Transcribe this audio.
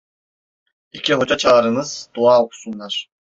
İki hoca çağırınız, dua okusunlar!